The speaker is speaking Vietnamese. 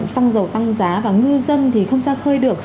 xăng dầu tăng giá và ngư dân thì không ra khơi được